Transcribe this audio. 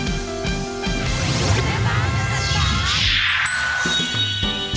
ดูแลบ้านกันต่อ